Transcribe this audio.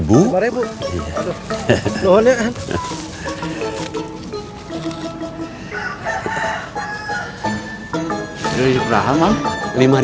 udah ibraham mang lima juga